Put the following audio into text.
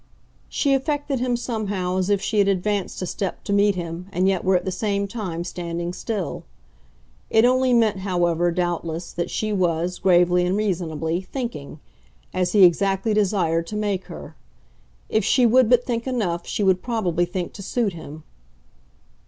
She affected him somehow as if she had advanced a step to meet him and yet were at the same time standing still. It only meant, however, doubtless, that she was, gravely and reasonably, thinking as he exactly desired to make her. If she would but think enough she would probably think to suit him.